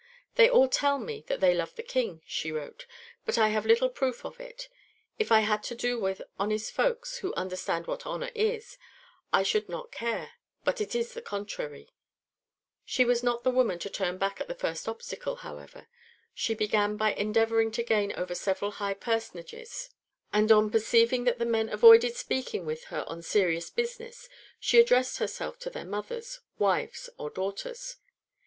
"They all tell me that they love the King," she wrote, "but I have little proof of it. If I had to do with honest folks, who understand what honour is, I should not care, but it is the contrary." (1) 1 Lettres de Marguerite, &c., p. 21. She was not the woman to turn back at the first obstacle, however; she began by endeavouring to gain over several high personages, and on perceiving that the men avoided speaking with her on serious business, she addressed herself to their mothers, wives, or daughters.